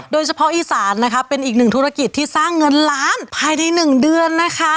โดยเฉพาะอีสานนะคะเป็นอีกหนึ่งธุรกิจที่สร้างเงินล้านภายใน๑เดือนนะคะ